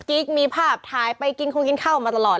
น่ารักกุ๊บกิ๊กมีภาพท้ายไปกินโครงกินข้าวมาตลอด